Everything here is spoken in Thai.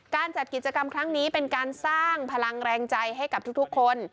การจัดกิจกรรมครั้งนี้เป็นการสร้างพลังแรงใจให้กับทุกคน